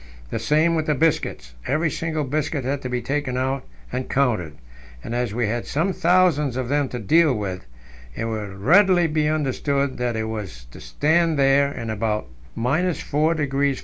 The same with the biscuits; every single biscuit had to be taken out and counted, and as we had some thousands of them to deal with, it will readily be understood what it was to stand there in about 4° F.